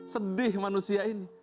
sedih manusia ini